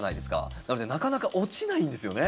なのでなかなか落ちないんですよね。